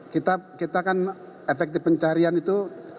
kita kan efektif pencarian itu